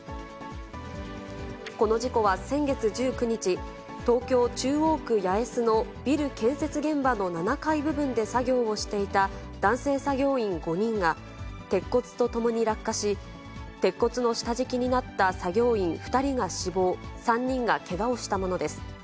この事故は先月１９日、東京・中央区八重洲のビル建設現場の７階部分で作業をしていた男性作業員５人が、鉄骨とともに落下し、鉄骨の下敷きになった作業員２人が死亡、３人がけがをしたものです。